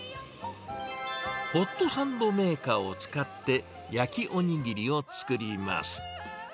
ホットサンドメーカーを使って、焼きおにぎりを作ります。